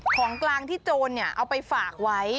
ของกลางที่โจรเอาไปฝากไว้